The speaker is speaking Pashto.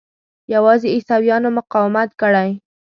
یوازې عیسویانو مقاومت کړی.